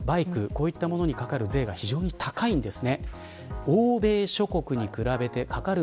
こういったものにかかる税が非常に高いんです。